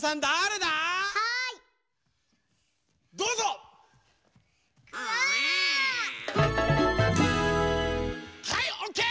はいオッケー！